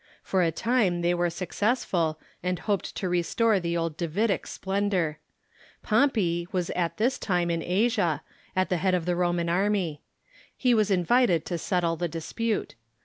For a time they were successful, and hoped to restore the old Davidic splendor. Pompey Avas at this time in Asia, at the head of the Roman army. He Avas invited to settle the dis pute.